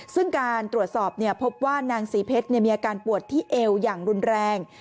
ซึ่งการตรวจสอบพบว่านางศรีเพชรมีอาการปวดที่เอวอย่างรุนแรง